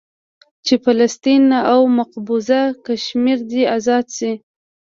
چې فلسطين او مقبوضه کشمير دې ازاد سي.